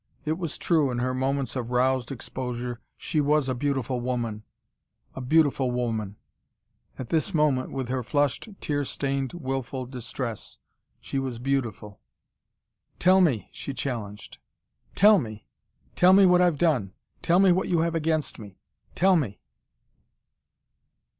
It was true, in her moments of roused exposure she was a beautiful woman a beautiful woman. At this moment, with her flushed, tear stained, wilful distress, she was beautiful. "Tell me," she challenged. "Tell me! Tell me what I've done. Tell me what you have against me. Tell me."